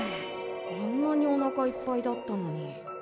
あんなにおなかいっぱいだったのに。